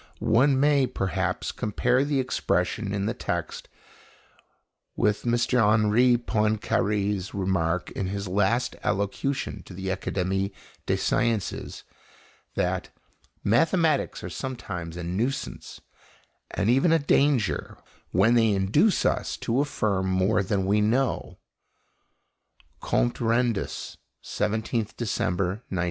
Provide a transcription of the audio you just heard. One may perhaps compare the expression in the text with M. Henri Poincaré's remark in his last allocution to the Académie des Sciences, that "Mathematics are sometimes a nuisance, and even a danger, when they induce us to affirm more than we know" (Comptes rendus, 17th December 1906).